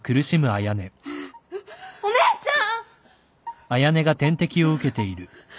お姉ちゃん！